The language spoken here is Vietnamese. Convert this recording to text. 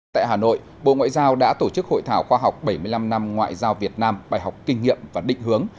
tại hà nội bộ ngoại giao đã tổ chức hội thảo khoa học bảy mươi năm năm ngoại giao việt nam bài học kinh nghiệm và định hướng